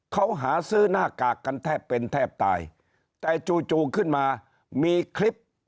เขาหาซื้อหน้ากากกันแทบเป็นแทบตายแต่จู่จู่ขึ้นมามีคลิป